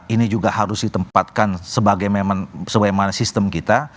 ini juga harus ditempatkan sebagaimana sistem kita